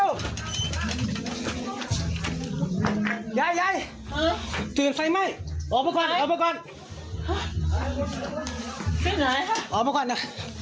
ออกมาก่อนนะ